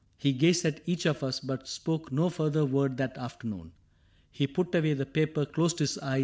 He gazed at each of us. But spoke no further word that afternoon. He put away the paper, closed his eyes.